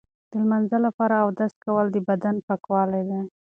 د لمانځه لپاره اودس کول د بدن پاکوالی دی.